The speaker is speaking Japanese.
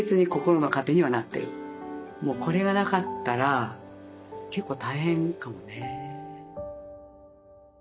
もうこれがなかったら結構大変かもね。